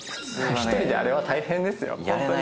一人であれは大変ですよ。